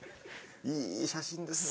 いい写真ですね。